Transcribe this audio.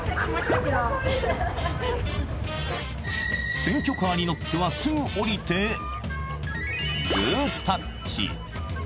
選挙カーに乗ってはすぐ降りてグータッチ。